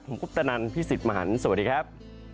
ผมคุปตะนันพี่สิทธิ์มหันฯสวัสดีครับ